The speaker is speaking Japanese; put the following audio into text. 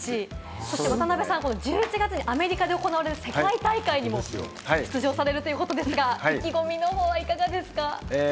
そして渡邊さん、１１月に行われる世界大会にも出場されるということですが、意気込みの方はいかがですか？